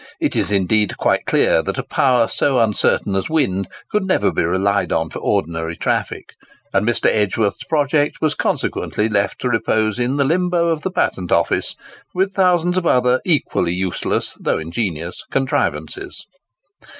It is indeed quite clear that a power so uncertain as wind could never be relied on for ordinary traffic, and Mr. Edgworth's project was consequently left to repose in the limbo of the Patent Office, with thousands of other equally useless though ingenious contrivances.